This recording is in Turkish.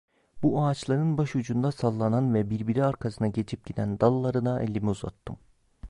Bu ağaçların başucumda sallanan ve birbiri arkasına geçip giden dallarına elimi uzattım.